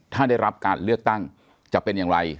ถ้าได้รับการเลือกตั้งจะเป็นอย่างไร